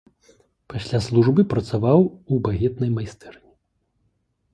Пасля службы працаваў у багетнай майстэрні.